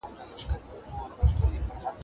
ایا تاسو په خپل تجارت کې ګټه کوئ؟